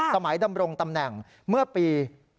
สมัยดำรงตำแหน่งเมื่อปี๒๐๑๕